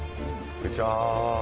こんにちは。